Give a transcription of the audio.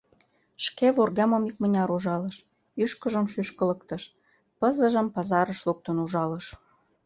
Шке вургемым икмыняр ужалыш, ӱшкыжым шӱшкылыктыш, пызыжым пазарыш луктын ужалыш.